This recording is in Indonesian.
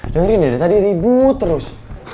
dari ini dari tadi ribut terus